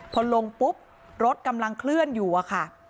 พอลงปุ๊บรถกำลังเคลื่อนอยู่อะค่ะ